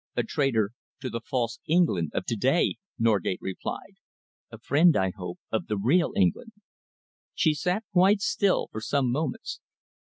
"A traitor to the false England of to day," Norgate replied, "a friend, I hope, of the real England." She sat quite still for some moments.